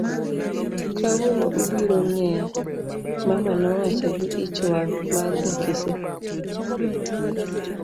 Kawuono ubiro ng'eya, Mama nowacho gi ich wang' mar Ja kisii.